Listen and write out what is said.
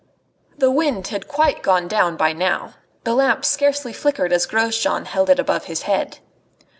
The wind had quite gone down by now. The lamp scarcely flickered as Grosjean held it above his head.